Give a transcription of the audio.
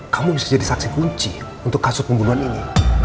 kamu bisa jadi saksi kunci untuk kasus pembunuhan ini